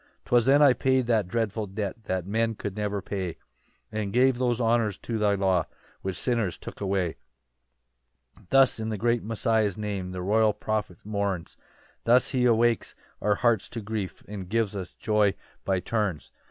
4 "'Twas then I paid that dreadful debt "That men could never pay, "And gave those honours to thy law "Which sinners took away." 5 Thus in the great Messiah's name, The royal prophet mourns; Thus he awakes our hearts to grief, And gives us joy by turns.